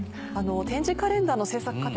点字カレンダーの製作過程